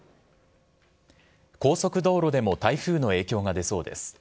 高速道路でも台風の影響が出そうです。